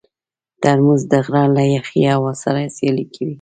ترموز د غره له یخې هوا سره سیالي کوي.